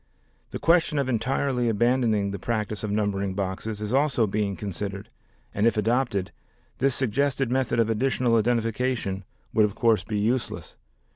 The question of entirely abandoning the practice of numbering boxes is also being considered and if adopted, this suggested method of additional identification would of course be useless.